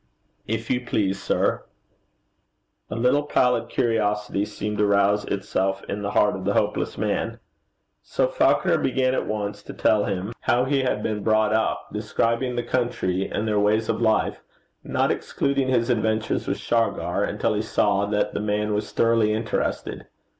'If you please, sir.' A little pallid curiosity seemed to rouse itself in the heart of the hopeless man. So Falconer began at once to tell him how he had been brought up, describing the country and their ways of life, not excluding his adventures with Shargar, until he saw that the man was thoroughly interested.